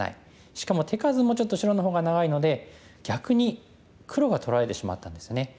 しかも手数もちょっと白の方が長いので逆に黒が取られてしまったんですね。